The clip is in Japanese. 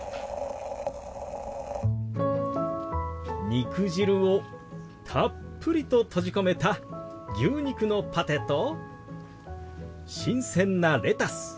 肉汁をたっぷりと閉じ込めた牛肉のパテと新鮮なレタス。